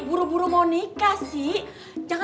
eh boleh tante